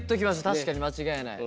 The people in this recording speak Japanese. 確かに間違いない。